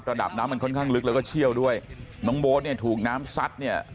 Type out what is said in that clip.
ระดับน้ำมันค่อนข้างลึกแล้วก็เชี่ยวด้วยน้องโบ๊ทเนี่ยถูกน้ำซัดเนี่ย